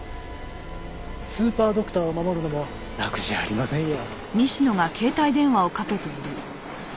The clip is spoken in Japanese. スーパードクターを守るのも楽じゃありませんよ。